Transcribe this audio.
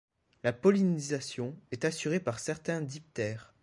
La pollinisation est assurée par certains diptères.